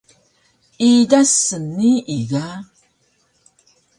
Idas snii ga